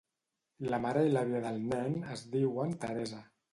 La mare i l'àvia del nen es diuen Teresa.